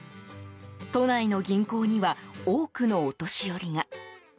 都内の銀行には多くのお年寄りが。